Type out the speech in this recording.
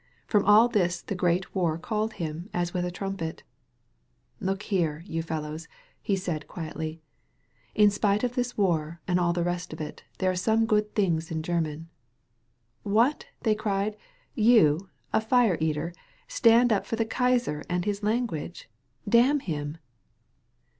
From all this the great war called him as with a trumpet. Look here, you fellows," he said quietly, "in spite of this war and all the rest of it, there are some good things in German." "What," they cried, "you, a fire eater, stand up for the Kaiser and his language? Damn him!"